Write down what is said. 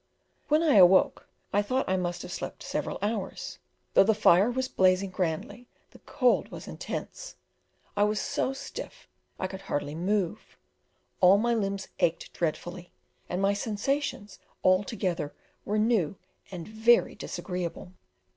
When I awoke, I thought I must have slept several hours. Though the fire was blazing grandly, the cold was intense: I was so stiff I could hardly move; all my limbs ached dreadfully, and my sensations altogether were new and very disagreeable.